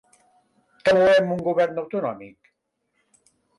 Que volem un govern autonòmic?